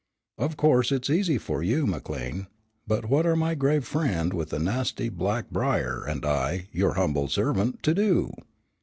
Of course it's easy enough for you, McLean, but what are my grave friend with the nasty black briar, and I, your humble servant, to do?